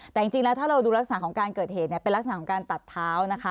แต่จริงแล้วถ้าเราดูลักษณะของการเกิดเหตุเนี่ยเป็นลักษณะของการตัดเท้านะคะ